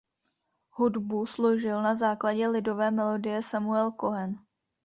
Hudbu složil na základě lidové melodie Samuel Cohen.